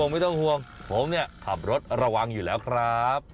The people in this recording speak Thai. ไม่ต้องห่วงผมเนี่ยขับรถระวังอยู่แล้วครับ